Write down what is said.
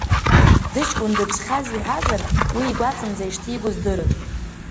Зыҷкәын дыԥсхьаз иҳәазар, уи игәаҵанӡа ишҭигоз дырын.